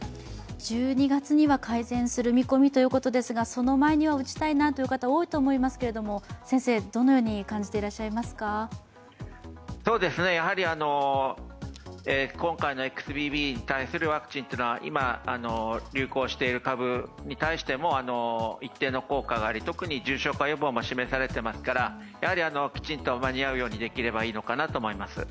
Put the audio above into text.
１２月には改善する見込みということですがその前には打ちたい人は多いと思いますけどやはり今回のＸＢＢに対するワクチンというのは、今、流行している株に対しても、一定の効果があり特に重症化予防が示されていますからきちんと間に合うようにすればいいと思います